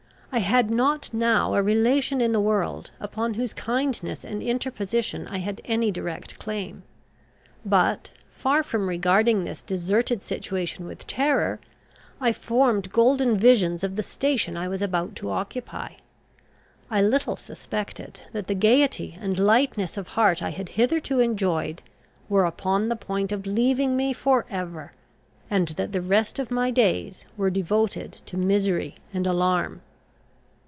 I had not now a relation in the world, upon whose kindness and interposition I had any direct claim. But, far from regarding this deserted situation with terror, I formed golden visions of the station I was about to occupy. I little suspected that the gaiety and lightness of heart I had hitherto enjoyed were upon the point of leaving me for ever, and that the rest of my days were devoted to misery and alarm.